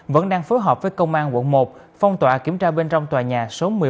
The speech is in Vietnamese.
vẫn đang phối hợp với công an quận một phong tỏa kiểm tra bên trong tòa nhà số một mươi một